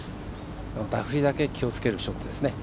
ダフりだけ気をつけるショットです。